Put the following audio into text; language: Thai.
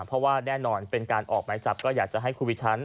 และแน่นอนเป็นการออกไม้จับก็อยากให้ครูปรีชา